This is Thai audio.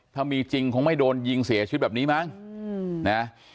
ถ้ามีจริงคงไม่โดนยิงเสียชีวิตแบบนี้มั้งนะ